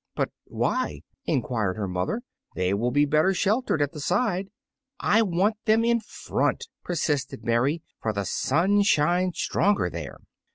"But why?" enquired her mother; "they will be better sheltered at the side." "I want them in front," persisted Mary, "for the sun shines stronger there."